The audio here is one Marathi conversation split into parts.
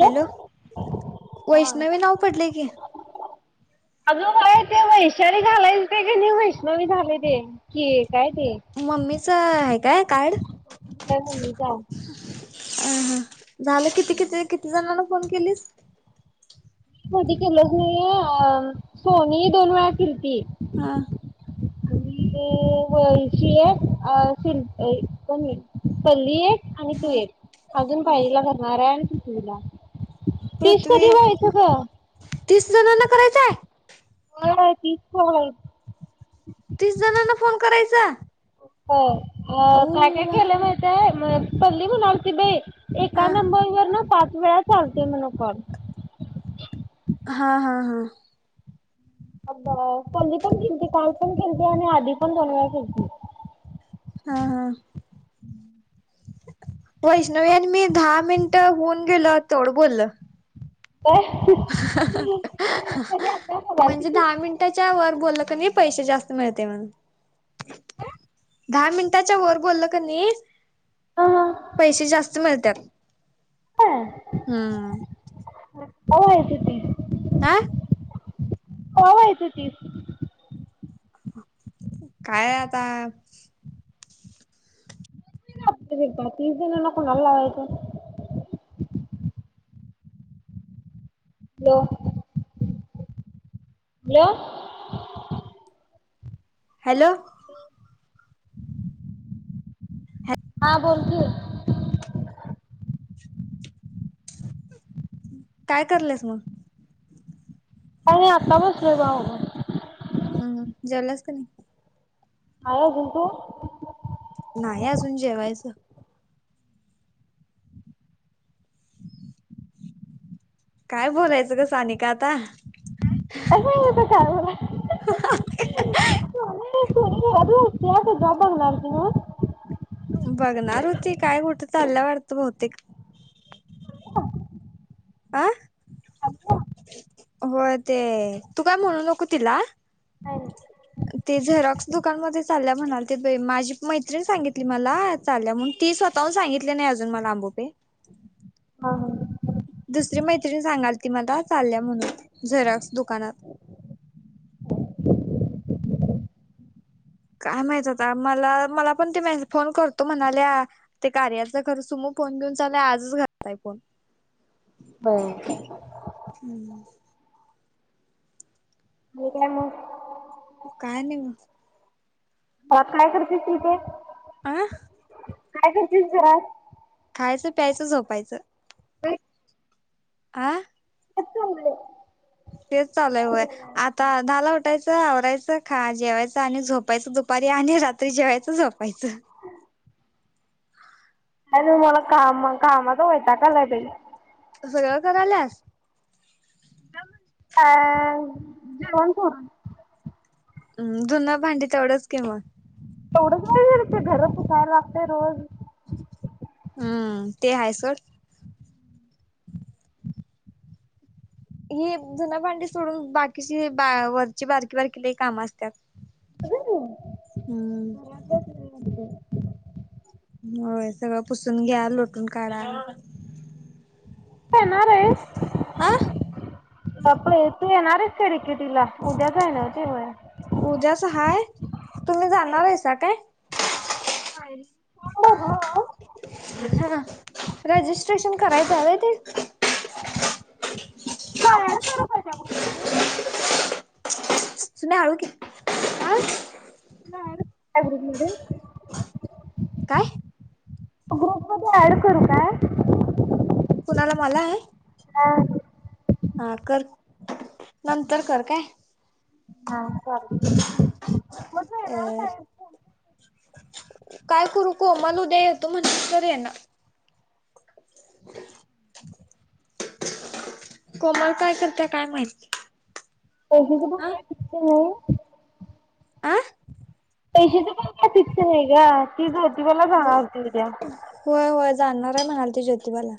हॅलो हा वैष्णवी नाव पडले की [inaudible] अजून काय ते वैशाली घालायच ते का नाही वैष्णवी झाालेय ते की काय ते? मम्मीच आहे काय कार्ड? काय म्हणमी का? अ हा झालं किती किती किती जणना फोन केलीस. म्हणती की लग्न अ सोनी ही दोन वेळा फिरती हां. [unintelligible] पळशी एक अ शिल् कोण पल्ली एक आणि तू ह एक अजून पाहिला करणार आहे आणि ते तुला पृथ्वी तीस जणांना करायचंय? होय-होय तीस कॉल हायत. तीस जणांना फोन करायचा? हो अ काय-काय केलं माहितीय म पल्ली होनवती बे एका हा नंबर वर ना पाच वेळा चालते मण कॉल. हा-हा-हा. अ संली पण खेळते काल पण खेळते आणि आधी पण दोन वेळा खेळते. हा-हा. वैष्णवी यांनी मी दहा मिनिटं होऊन गेल तेवढं बोललं. काय? [unintelligible] आता म्हणजे बोलालतीस? दहा मिन त्याचावर बोललं त्यांनी पैसे जास्त मिळते म्हण दहा मिनिटाच्या वर बोलल का नाही हा पैसे जास्त मिळत्यात हम्म. कवा यायची ती? आह. कवा व्हायचे तीस? काय आता [unintelligible] कोणाला लावायचं हॅलो. हॅलो. हॅलो. हा बोल की. काय करलंस मंग? काय नाही आता बसलोय बा हम्म जेवलास का नाही? [unintelligible] नाही अजून जेवायचय. काय बोलायचं ग सानिका आता? [unintelligible] [unintelligible] बघणार होती काय कुठ चाललाय वाटतं बहुतेक. आं हा हा. हो ते तू काय म्हणू नको तिला. हो. ते झेरॉक्स दुकानमध्ये चालल्या म्हणाल ते माझी मैत्रिणी सांगितली मला चालल्या म्हणून ती स्वतःहून सांगितली नाही अजून मला आंबोपे हा हा. दुसरी मैत्रिणी सांगाल ती मला चालल्या म्हणून झेरॉक्स दुकानात. काय माहित आता मला, मला पण ते [unintelligible] फोन करतो म्हणाल्या ते कार्याचं घर सुमो फोन घेऊन चालय आजच घरात आहे फोन. हो. हम्म ठीक आहे मग. काय नाही. आ काय करती ती ते? आह. काय करतीस घरात? खायचं, प्यायचं, झोपायचं. काय आ [unintelligible] तेच चाललय व्हय. आता दहाला उठायचं, आवरायचं, खा जेवायचं आणि झोपायचं दुपारी आणि रात्र त्री जेवायचं झोपायचं. हॅलो मला काम कामाचा वैताग आलाय बाई. तू सगळं कराल्यास? [unintelligible] हम्म धून भांडी तेवढंच कि मग तेवढंच नाही करायचं, घर फुसायला लागतय रोज हम्म ते हाय सोड ही धून भांडी सोडून बाकीची बा वरची बारकी बारकी लय काम असतात तू हम्म. होय सगळं पुसून घ्या लोटून काढा. येणार आहे? आ कपडे तू येणारच खडिकिटीला उद्याचय ना. [unintelligible] उद्यास हाय तुम्ही जाणार आहेसा काय? [unintelligible] हा रजिस्ट्रेशन करायचंव ते. तुला ॲड करू त्याचा ग्रूप मध्ये? सुना हळू की. तुला ऍड [inaudible] त्या ग्रुप मध्ये. कायं ग्रुप मध्ये ऍड करू काय? कुणाला मला हाय? हा. हा कर नंतर कर काय. हा चालेल. अ काय करू कोमल उद्या येतो म्हणली [inaudible] आहे ना. [inaudible] कोमल काय करत्या काय माहित? आ [unintelligible] आं पैशचे पण काय फिक्स आहे का तीच होती मला सांगा होती त्या. होय होय जाणार आहे म्हणाल ती ज्योतिबाला.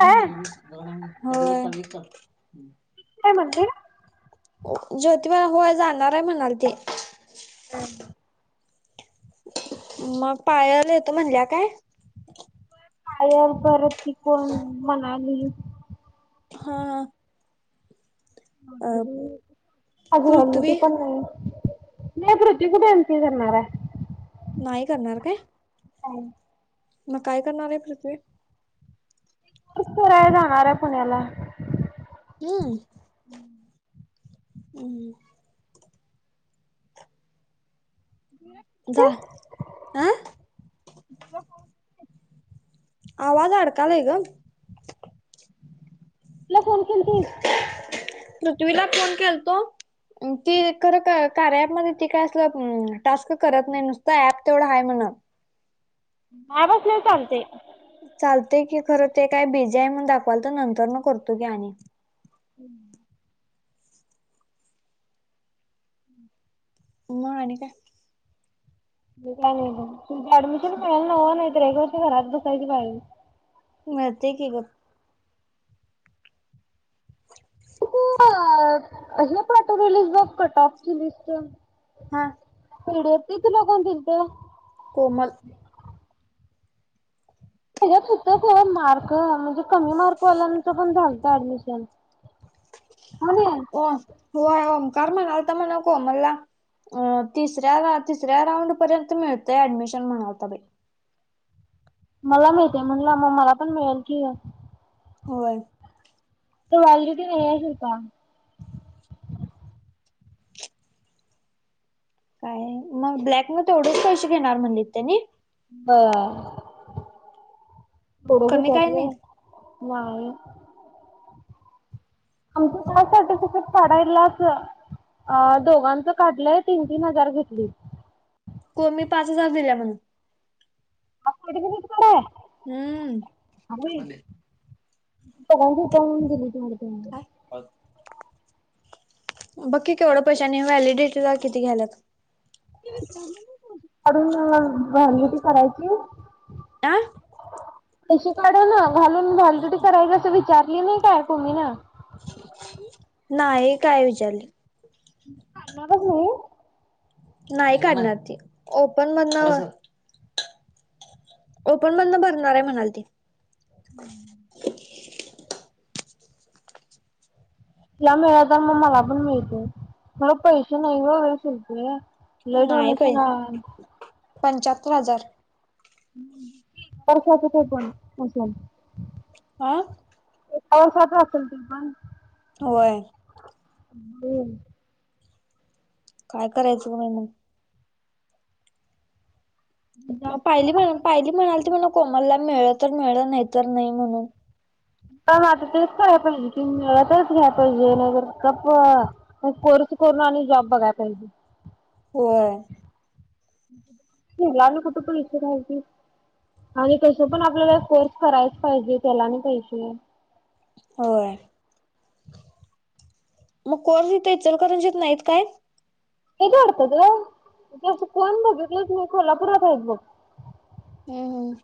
काय? काय म्हणली? ज्योतिबा होय जाणार आहे म्हणाल ते. मग पायल येतो म्हणल्या काय? पायल परत ती कोण मनाली? हा हा. [unintelligible] ते पृथ्वी पण नाही. नाही पृथ्वी कुठे एन्ट्री करणार आहे. नाही करणार काय? [unintelligible] मगं कायं करणारं आहे पृथ्वी? [unintelligible] जाणार आहे पुण्याला. हम्म. उम्म हम्म. [unintelligible] जा आं आवाज अडकालाय गं. तुला फोन केलती. पृथ्वीला फोन केलतो? ती खरं कार्या ऐप मध्ये ती काय असलं टास्क करत नाही नुसतं ऍप तेवढं आहे म्हण. आवाज नाही चालते. चालतेय की खरं ते काय बीजी आहे म्हणून दाखवाल तर नंतर म करतो की आणि म आणि कायं? ते काय नाही तुमचा ऍडमिशन करायला लावा नाही तर एक वर्ष घरात बसायची पाहिजे. मारते की गप [unintelligible] पार्ट रिलीज बफ कटऑफची लिस्ट हा. पिडिएफ ती तुला कोण दिलंत? कोमल. तेज्यात सुद्धा क मार्क म्हणजे कमी मार्कवाल्यानंत पण झालत ऍडमिशन. हां मी. हो होय ओ का बरं म्हणाल होता म्हणावं कोमलला. अ तिसऱ्या तिसऱ्या राऊंड पर्यंत मिळतंय ऍडमिशन म्हणाव सगळी. मला मिळते म्हणलं म मला पण मिळेल की. होय. त वाजली कि नेया येतं का? काय म ब्लॅक म तेवढेच पैसे घेणार म्हणली त्यानी. बर ोड भहो कमी [unintelligible] काय नाही त्यातलं नाही आमचं का सर्टिफिकेट काढायला असं अ दोघांचं काढलंय तीन तीन हजार घेतली. कोमनी पाच हजार दिल्या म्हण. आ कठ क तती क [unintelligible] आहे. हम्म. त काून [unintelligible] दिली त म्हणे. हो [unintelligible] बक्की केवढं पैशानी व्हॅलिडिटीला किती घ्यायलात. अजून व्हॅलिडीटी करायची? आ तशी काढू ना घालून व्हॅलिडीटी करायला असं विचारली नाही काय कोणी ना. नाई काय विचारली. आता बघू नि. नाही काढणार ती ओपन मधनं ओपन बंद भरणार आहे म्हणाल ती. हम्म [inaudible] तिला मिळत म मला पण मिळते मला पैसे नाही ना शिलकीला. लयं डोलेशन आहे. पंच्याहात्तर हजार. हं वर्षाच ते पण असल. हा. एका वर्ष्याचं असेल ते पण. होय. बिल. काय करायचं काम मंग? म जास्त पाहिली म्हणा पाहिली म्हणाली ती म्हण कोमलला मिळ तर मिळलं नाही तर नाही म्हणून. पण आता तेच कराय पाहिजे कि मिळा तेच घ्यायला पाहिजे नाहीर कप्पा मगं कोर्स करूंन आणि जॉब बघाय पाहिजे. होय. त्याला आणि कुठं पैसे घालतीस. आणि कसं पण आपल्याला कोर्स करायच पाहिजे त्याला आणि पैसे. होय. म कोर्स इथं इचलकरंजीत नाहीत काय? हेेच वाडतात बग कोण बघलेचं नाही कोल्हापुरात हायत बग. हम्.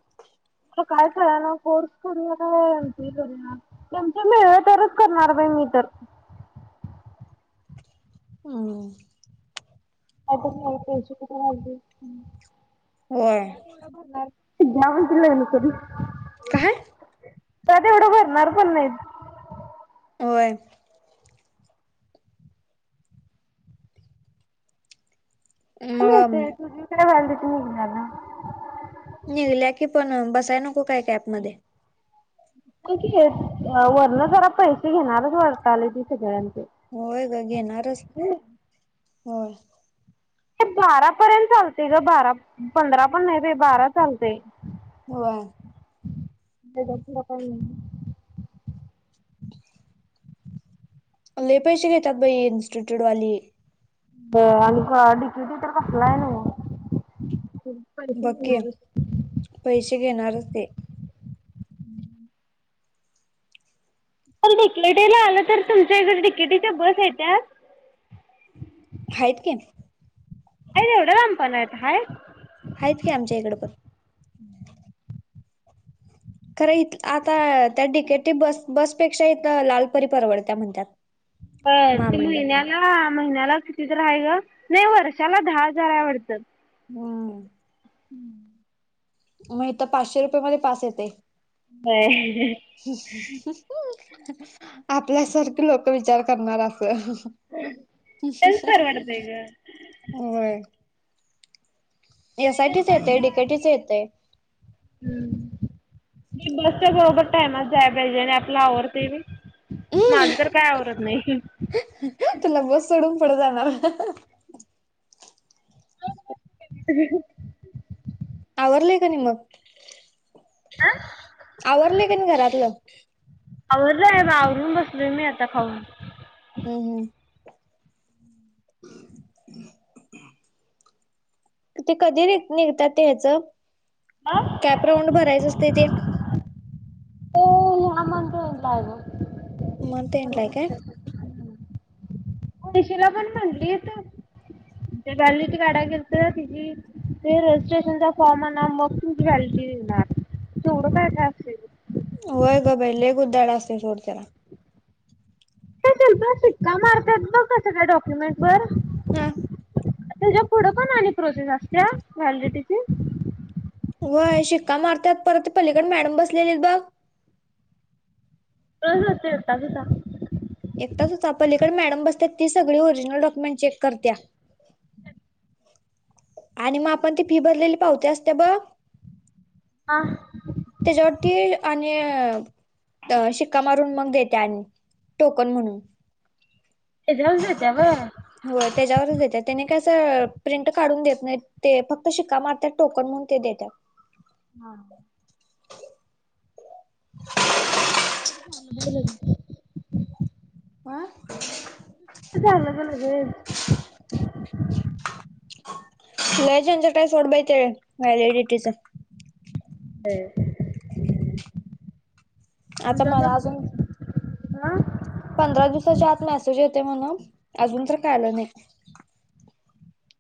तर काय कळं ना कोर्स करू का एम पी ए करू या. त्यांच मिळलं तरच करणार ब मी तर. हम. आता माला पैसे याची कुटून आणतील. होय णार यावतलायन सरी. काय का तेवढं भरणार पण नाहीत होय. ते मग तुझी काय ब त निघणार ना. निघल्या की पण बसाय नको काय कॅबमध्येध्ये. वरण जरा पैसे घेणारच वारताले ती सगळ्यांचे होय होय गं घेणारचं हो ते बारा पर्यंत चालते गं बारा पंधरा पणं नाहीं ग बारा चालते हो गप का [unintelligible] लयं पैसे घेतात बाई इंस्टिट्यूट वाले आणि डिकीटी तरं बसलायं नां बघ की पैसे घेणारचं ते पणं तिकेटीला आलं तर तुमच्यां ईकडे तिकेटीच्या बसं येत्या आहेत की अ र एवढं रामपणा आहेता हय आहेत की आमच्या इकडे पणं खरं इथं आता त्यां डिकेटी बसं बसं पेक्षा इथं लालपरी परवडत्यां म्हणतांत अ ते महिन्याला महिन्याला किती तरहा आहे ग नाही वर्षाला दहा हजार आहेवडतं हम्मं हम्मं मगं तरं पाचशे रुपया मंध्यें पास येते हम आपल्यासांरखी लोकं विचार करणारं असलं तेच परवडतंय ग होय यासांठीचं येते डिकेटीच येतंय हम्मं बसच्या बरोबर टाईमंच दयला पाहिजे आणि आपल आवरते बी मला तरं कायं आवडतं नाहीं तुला बसं सोडून पुढं जाणारं [inaudible] आवरलेय की नाहीं मगं आवरलेय की नाहीं घरातलं आवरल आहे बा आवरूंन बसली आहे मी आता खाऊन हम्मं हम्मं [unintelligible] ते कधीं नि निघतात ह्यांचं हा कॅप राऊंड भरायचं असते ते हॉलो हां [unintelligible] म्हणत मतं येन रायला आहे कां निशेला पणं म्हटली त ते गली त गाड्या गेत तिची ते रजिस्ट्रेशनच्या फॉर्मना मग तुमची व्हलटी देणार सोढं काय का असते होयग बई ल ग उ दाड असत सोडतर ते सर शिक्का मारतांत बघ कसं कायं डॉक्युमेंट वर हम् [unintelligible] त्यांच्या पुढं कोणं आणि प्रोसेस असतं व्हॅलिटीची वय शिक्का मारतात परत पलीकडे मॅडम बसलेले आहेत बघ रोज होते होता कुसा एक ताच आपणं पलीकडे मॅडम बसतं ती सगळीं ओरिजिनलडॉक्युमेंट चेक करत्यां आणि मगं आपणं ती फी भरलेली पावत्या असतात बघ [unintelligible] तेच्यांवर ती आणि अ शिक्का मारून मग देत्याला आणि टोकन म्हणून हे सर्वच देता होय हो त्यांच्यावरच येते त्यानें काय अस प्रिंट काढून देत नाहीं ते फक्तं शिका मारतात टोकंन म्हणून ते देतात हां [inaudible] [unintelligible] [unintelligible] चांगलं झाल ग लई जणझट काय सोड बाई ते व्हॅलिडिटीच [inaudible] आता मला अजून [unintelligible] पंधरा दिवसांच्या आत मेसेज येते म्हणून अजून तरं कायं आला नाहीं